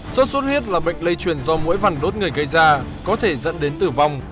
sốt xuất huyết là bệnh lây truyền do mũi vằn đốt người gây ra có thể dẫn đến tử vong